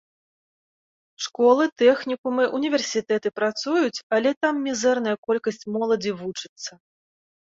Школы, тэхнікумы, універсітэты працуюць, але там мізэрная колькасць моладзі вучыцца.